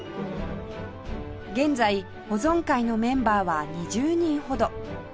現在保存会のメンバーは２０人ほど